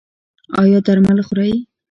ایا درمل خورئ؟